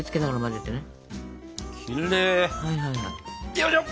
よいしょ！